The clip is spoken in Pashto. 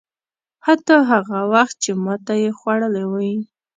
حتی هغه وخت چې ماته یې خوړلې وي.